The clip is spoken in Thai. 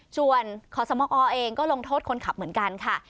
ส่วนขอสมอเองก็ลงโทษคนขับเหมือนกันค่ะ